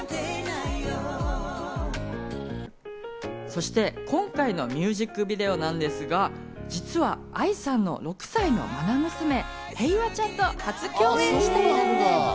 そして今回のミュージックビデオなんですが、実はＡＩさんの６歳のまな娘・平和ちゃんと初共演しているんです。